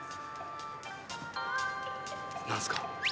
何すか？